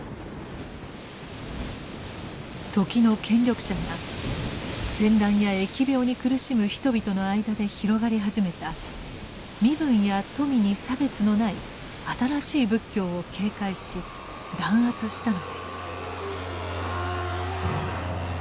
時の権力者が戦乱や疫病に苦しむ人々の間で広がり始めた身分や富に差別のない新しい仏教を警戒し弾圧したのです。